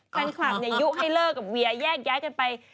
แฟนคลับยุให้เลิกกับเวียแยกย้ายกันไป